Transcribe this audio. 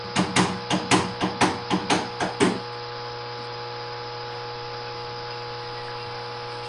En la actualidad se ha convertido en una vía verde